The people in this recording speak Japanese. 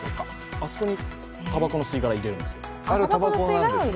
あそこにたばこの吸い殻を入れるんです。